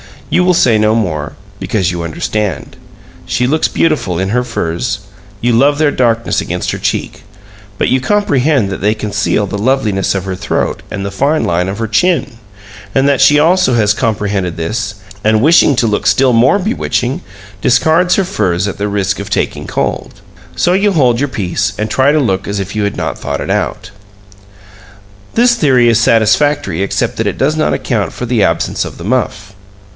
You will say no more, because you understand. She looks beautiful in her furs; you love their darkness against her cheek; but you comprehend that they conceal the loveliness of her throat and the fine line of her chin, and that she also has comprehended this, and, wishing to look still more bewitching, discards her furs at the risk of taking cold. So you hold your peace, and try to look as if you had not thought it out. This theory is satisfactory except that it does not account for the absence of the muff.